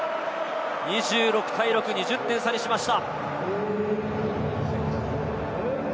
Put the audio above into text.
２６対６、２０点差にしました。